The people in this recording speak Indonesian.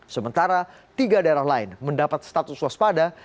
sementara tiga daerah lain mendapat status waspada